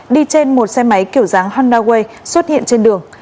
đi trên một xe máy kiểu dáng handa way xuất hiện trên đường